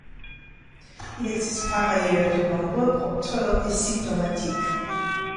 Il existe par ailleurs de nombreux porteurs asymptomatiques.